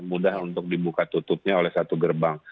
mudah untuk dibuka tutupnya oleh satu gerbang